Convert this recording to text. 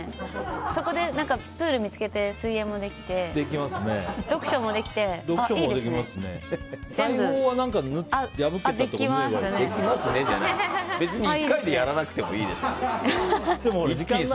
そこでプール見つけて水泳もできて読書もできて、いいですね、全部。